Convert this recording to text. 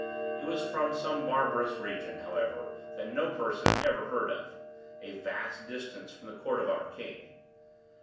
It was from some barbarous region, however, that no person ever heard of—a vast distance from the court of our king.